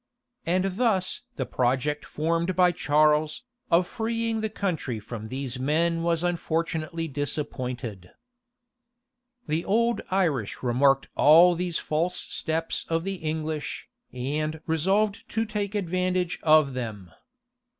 And thus the project formed by Charles, of freeing the country from these men was unfortunately disappointed.[*] The old Irish remarked all these false steps of the English, and resolved to take advantage of them.